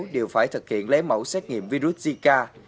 đều phải thực hiện lấy mẫu xét nghiệm virus zika